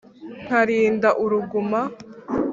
nkarinda uruguma